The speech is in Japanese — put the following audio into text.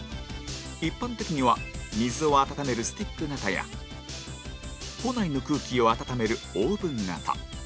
一般的には水を温めるスティック型や庫内の空気を温めるオーブン型